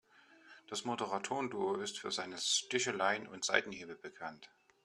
Das Moderatoren-Duo ist für seine Sticheleien und Seitenhiebe bekannt.